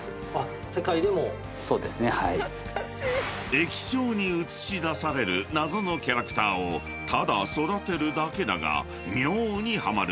［液晶に映し出される謎のキャラクターをただ育てるだけだが妙にハマる］